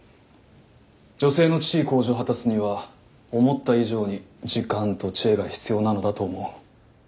女性の地位向上を果たすには思った以上に時間と知恵が必要なのだと思う。